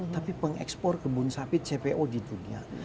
tapi pengekspor kebun sawit cpo di dunia